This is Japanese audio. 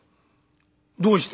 「どうして？」。